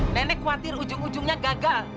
nenek khawatir ujung ujungnya gagal